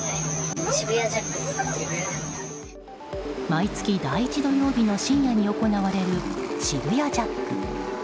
毎月第１土曜日の深夜に行われる渋谷ジャック。